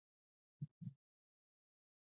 اوس به دې مطالبو ته په کتو سره فکر وکړو